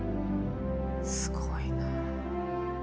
すごいなあ。